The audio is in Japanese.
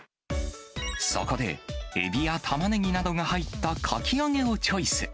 そこで、エビやタマネギなどが入ったかき揚げをチョイス。